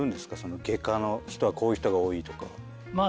外科の人はこういう人が多いとか。